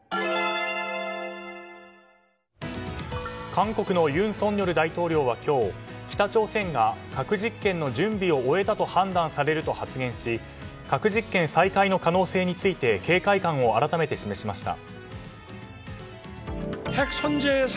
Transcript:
韓国の尹錫悦大統領は今日北朝鮮が核実験の準備を終えたと判断されると発言し核実験再開の可能性について警戒感を改めて示しました。